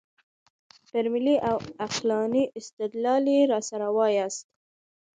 پر ملي او عقلاني استدلال یې راسره وایاست.